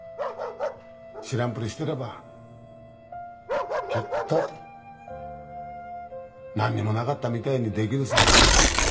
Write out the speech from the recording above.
知らんぷりしてればきっとなんにもなかったみたいにできるさ。